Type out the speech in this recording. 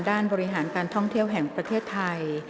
บริหารการท่องเที่ยวแห่งประเทศไทย